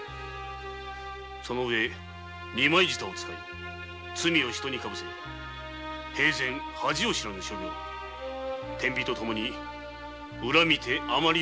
その上二枚舌を使い罪を人にかぶせ平然恥を知らぬは天人ともに恨みて余りあり。